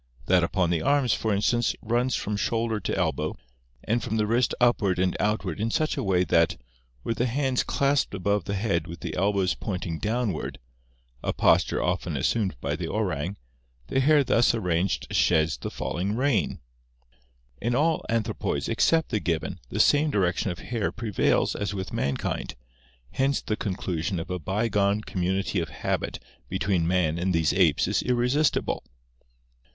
That upon the arms, for instance, runs from shoulder to elbow and from the wrist upward and outward in such a way that, were the hands clasped above the head with the elbows point ing downward, a posture often assumed by the orang, the hair thus arranged sheds the falling rain (see Plate XXVII). In all anthro poids except the gibbon the same direction of hair prevails as with mankind, hence the conclusion of a bygone community of habit be tween man and these apes is irresistible.